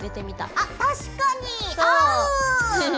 あっ確かに合う！